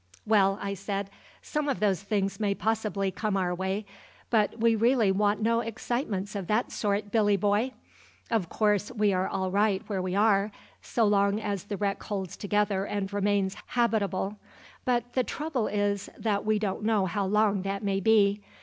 "Well," I said, "some of those things may possibly come our way, but we really want no excitements of that sort, Billy boy. Of course, we are all right where we are, so long as the wreck holds together and remains habitable; but the trouble is that we don't know how long that may be.